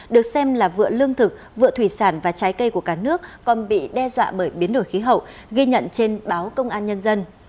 được xem là vựa lương thực vựa thủy sản và trái cây của cả nước còn bị đe dọa bởi biến đổi khí hậu ghi nhận trên báo công an nhân dân